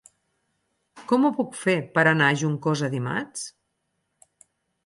Com ho puc fer per anar a Juncosa dimarts?